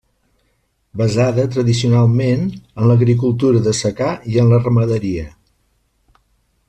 Basada tradicionalment en l'agricultura de secà i en la ramaderia.